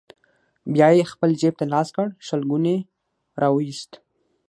بيا يې خپل جيب ته لاس کړ، شلګون يې راوايست: